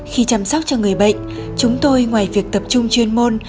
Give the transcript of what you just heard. khi chăm sóc cho người bệnh chúng tôi ngoài việc tập trung chuyên môn